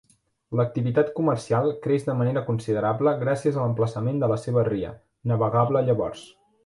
L'activitat comercial creix de manera considerable gràcies a l'emplaçament de la seva ria, navegable llavors.